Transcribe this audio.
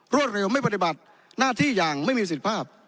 รวดเร็วไม่ปฏิบัติหน้าที่อย่างไม่มีสิทธิภาพ